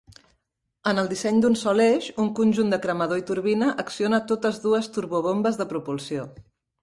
En el disseny d'un sol eix, un conjunt de cremador i turbina acciona totes dues turbobombes de propulsió.